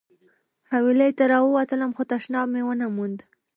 حویلۍ ته راووتلم خو تشناب مې ونه موند.